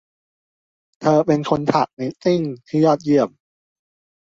เธอเป็นคนถักนิตติ้งที่ยอดเยี่ยม